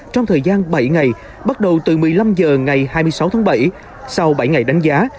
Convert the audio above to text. trong thời gian bảy ngày bắt đầu từ một mươi năm h ngày hai mươi sáu tháng bảy sau bảy ngày đánh giá